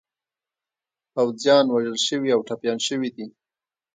پوځیان وژل شوي او ټپیان شوي دي.